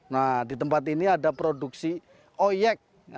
nah di tempat ini ada produksi oyek